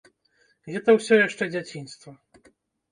Гэта ўсё яшчэ дзяцінства.